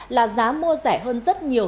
là giá mua rẻ hơn rất nhiều